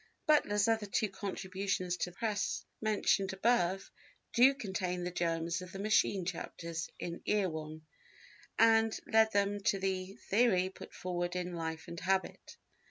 Butler's other two contributions to the Press mentioned above do contain the germs of the machine chapters in Erewhon, and led him to the theory put forward in Life and Habit.